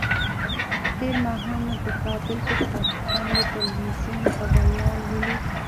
تېر ماښام مې په کابل کې د پاکستان د ټلویزیون خبریال ولید.